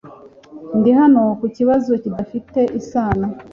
Ndi hano ku kibazo kidafitanye isano .